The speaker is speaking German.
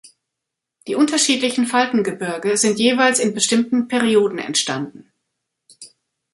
Die unterschiedlichen Faltengebirge sind jeweils in bestimmten Perioden entstanden.